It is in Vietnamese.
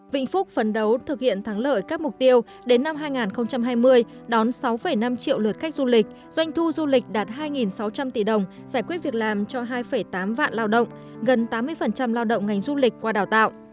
vĩnh phúc phấn đấu thực hiện thắng lợi các mục tiêu đến năm hai nghìn hai mươi đón sáu năm triệu lượt khách du lịch doanh thu du lịch đạt hai sáu trăm linh tỷ đồng giải quyết việc làm cho hai tám vạn lao động gần tám mươi lao động ngành du lịch qua đào tạo